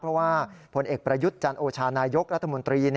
เพราะว่าผลเอกประยุทธ์จันโอชานายกรัฐมนตรี